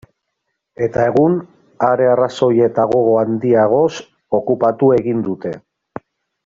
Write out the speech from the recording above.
Eta egun, are arrazoi eta gogo handiagoz, okupatu egin dute.